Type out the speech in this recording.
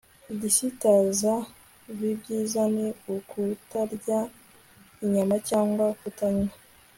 igisitaza v Ibyiza ni ukutarya inyama cyangwa kutanywa